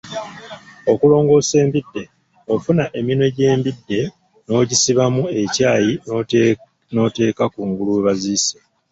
Okulongosa embidde, ofuna eminwe gy'embidde n'ogisibamu ekyayi n'oteeka kungulu we baziise